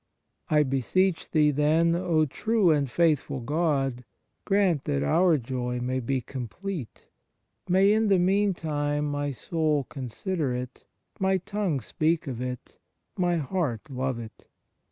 I beseech Thee, then, O true and faithful God, grant that our joy may be complete. May in the meantime my soul consider it, my tongue speak of it, my heart love it.